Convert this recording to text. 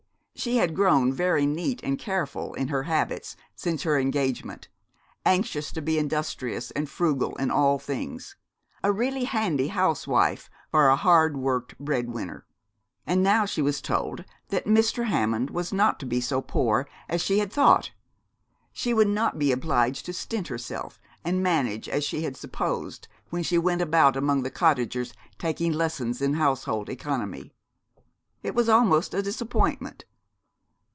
She had grown very neat and careful in her habits since her engagement, anxious to be industrious and frugal in all things a really handy housewife for a hard worked bread winner. And now she was told that Mr. Hammond was not so poor as she had thought. She would not be obliged to stint herself, and manage, as she had supposed when she went about among the cottagers, taking lessons in household economy. It was almost a disappointment.